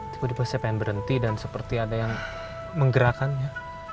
tiba tiba saya pengen berhenti dan seperti ada yang menggerakkannya